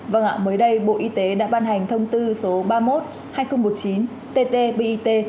vâng ạ mới đây bộ y tế đã ban hành thông tư số ba mươi một hai nghìn một mươi chín tt bit